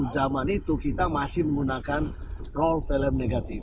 zaman itu kita masih menggunakan role film negatif